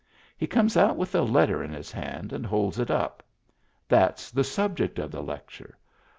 He comes out with a letter in his hand and holds it up. That's the subject of the lec ture.